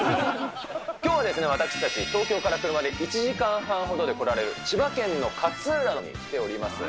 きょうはですね、私たち、東京から車で１時間半ほどで来られる、千葉県の勝浦に来ております。